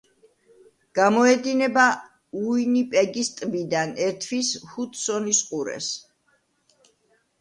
გამოედინება უინიპეგის ტბიდან, ერთვის ჰუდსონის ყურეს.